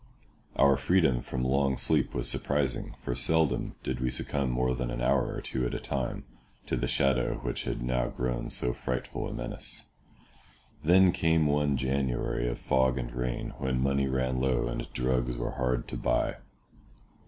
Our freedom from long sleep was surprising, for seldom did we succumb more than an hour or two at a time to the shadow which had now grown so frightful a menace. Then came one January of fog and rain, when money ran low and drugs were hard to buy.